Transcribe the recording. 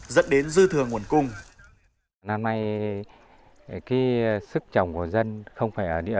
dẫn đến dư thừa nguồn cung